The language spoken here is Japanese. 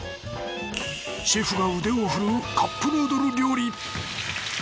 シェフが腕をふるうカップヌードル料理！